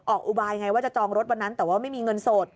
อุบายไงว่าจะจองรถวันนั้นแต่ว่าไม่มีเงินสด